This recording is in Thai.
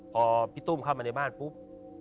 พอพี่ตุ้มเข้ามาในบ้านปุ๊บ